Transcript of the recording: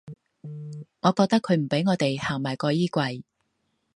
我覺得佢唔畀我地行埋個衣櫃